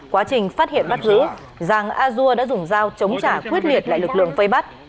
quá trình phát hiện bắt giữ giàng a dua đã dùng dao chống trả quyết liệt lại lực lượng vây bắt